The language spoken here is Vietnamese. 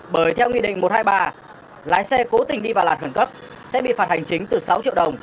bởi theo nghị định một trăm hai mươi ba lái xe cố tình đi vào làn khẩn cấp sẽ bị phạt hành chính từ sáu triệu đồng